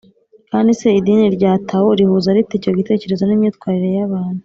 kandi se idini rya tao rihuza rite icyo gitekerezo n’imyitwarire y’abantu?